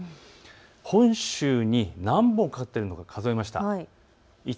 本州に何本かかっているか数えました。